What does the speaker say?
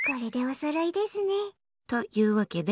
あっ！というわけで。